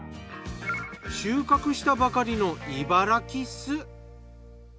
収穫したばかりのいばらキッス。